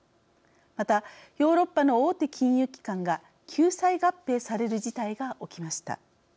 またヨーロッパの大手金融機関が救済合併される事態が起きました。